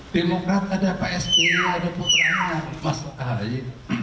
demokrat ada pspu ada putra masalahnya